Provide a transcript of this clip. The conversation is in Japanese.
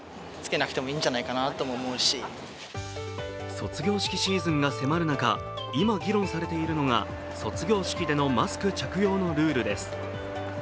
卒業式シーズンが迫る中、今議論されているのが卒業式でのマスク着用のルールです。